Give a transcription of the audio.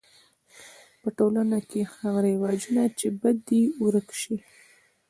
په ټولنه کی هغه رواجونه چي بد دي ورک سي.